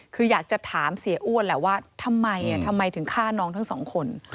คืออยากจะถามเสียอ้วนแหละว่าทำไมทำไมถึงฆ่าน้องทั้งสองคน